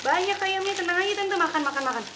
banyak ayamnya tenang aja tante makan makan makan